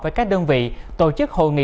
với các đơn vị tổ chức hội nghị